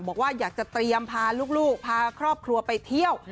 บอกว่าอยากจะเตรียมพาลูกพาครอบครัวไปเที่ยว